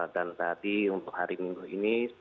dan tadi untuk hari minggu ini